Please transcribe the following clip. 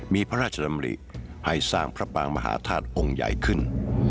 มีพระราชดำริให้สร้างพระปางมหาธาตุองค์ใหญ่ขึ้น